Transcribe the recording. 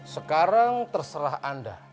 sekarang terserah anda